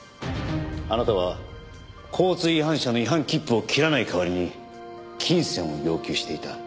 あなたは交通違反者の違反切符を切らない代わりに金銭を要求していた。